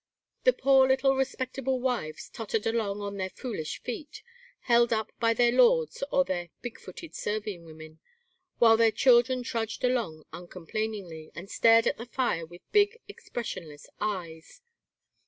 The poor little respectable wives tottered along on their foolish feet, held up by their lords or their "big footed" serving women, while their children trudged along uncomplainingly and stared at the fire with big expressionless eyes.